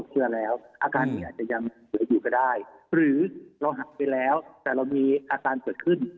หรือเราหักไปแล้วแต่เรามีอาการเกิดขึ้น